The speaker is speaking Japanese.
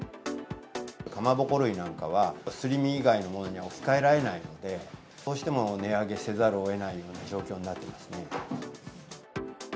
かまぼこ類なんかは、すり身以外のものに置き換えられないので、どうしても値上げせざるをえないような状況になっていますね。